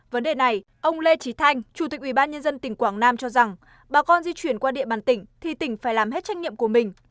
vấn đề này ông lê trí thanh chủ tịch ủy ban nhân dân tỉnh quảng nam cho rằng bà con di chuyển qua địa bàn tỉnh thì tỉnh phải làm hết trách nhiệm của mình